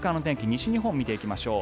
西日本を見ていきましょう。